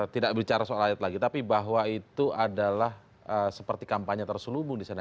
tidak bicara soal ayat lagi tapi bahwa itu adalah seperti kampanye terselubung di sana